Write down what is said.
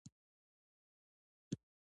ایا پییر د خپل ژوند په اوږدو کې ډېر بدلون وموند؟